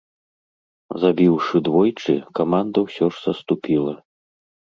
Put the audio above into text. Забіўшы двойчы, каманда ўсё ж саступіла.